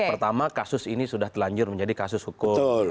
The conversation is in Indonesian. pertama kasus ini sudah telanjur menjadi kasus hukum